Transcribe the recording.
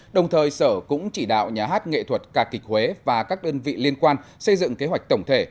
đồng thời sở cũng chỉ đạo nhà hát nghệ thuật ca kịch huế và các đơn vị liên quan xây dựng kế hoạch tổng thể